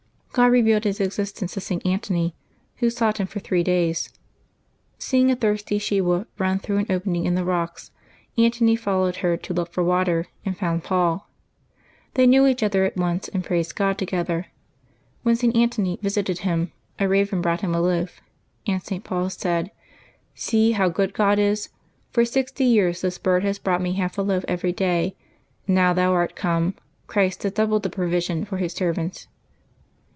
God revealed his existence to St. Antony, who sought him for three days. Seeing a thirsty she wolf run through an opening in the rocks, Antony followed her to look for water, and found Paul. They knew each other at once, and praised God together. When St. Antony visited him, a raven brought him a loaf, and St. Paul said, '^ See how good God is ! For sixty years this bird, has brought me half a loaf every day; now thou art come, Christ has doubled the provision for His servants.